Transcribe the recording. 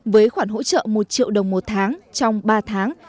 với khoản hỗ trợ một triệu đồng một tháng trong ba tháng